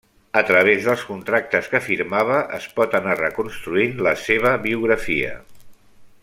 A través dels contractes que firmava es pot anar reconstruint la seva biografia.